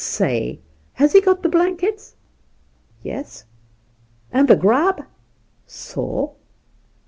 Say ! Has he got the blankets 1 Yes I And the grub ? So !